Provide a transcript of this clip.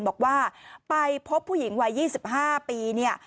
บอกว่าไปพบผู้หญิงวัย๒๕ปีเนี่ย